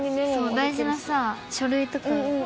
大事な書類とか。